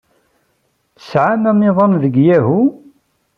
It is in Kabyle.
Tesɛam amiḍan deg Yahoo?